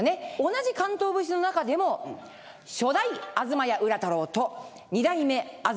同じ関東節の中でも初代東家浦太郎と二代目東屋浦太郎